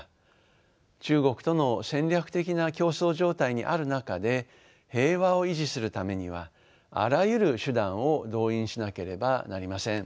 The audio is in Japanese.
中国との戦略的な競争状態にある中で平和を維持するためにはあらゆる手段を動員しなければなりません。